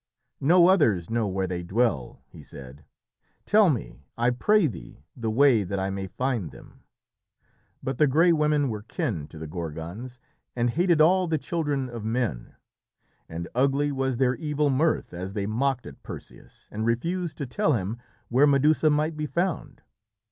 "No others know where they dwell," he said. "Tell me, I pray thee, the way that I may find them." But the Grey Women were kin to the Gorgons, and hated all the children of men, and ugly was their evil mirth as they mocked at Perseus and refused to tell him where Medusa might be found.